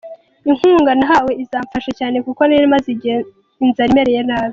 Inkunga nahawe izamfasha cyane kuko nari maze igihe inzara imereye nabi.